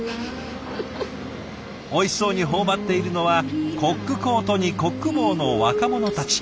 おいしそうに頬張っているのはコックコートにコック帽の若者たち。